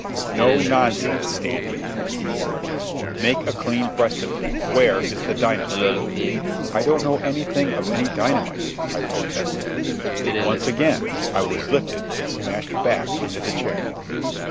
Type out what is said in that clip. "No nonsense, Standing," he warned. "Make a clean breast of it. Where is the dynamite?" "I don't know anything of any dynamite," I protested. Once again I was lifted and smashed back into the chair.